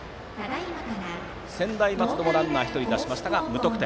専大松戸もランナー１人出しましたが無得点。